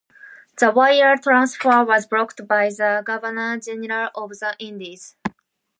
The wire transfer was blocked by the Governor General of the Indies.